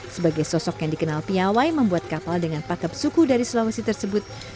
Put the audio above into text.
sebagai sosok yang dikenal piawai membuat kapal dengan pakeb suku dari sulawesi tersebut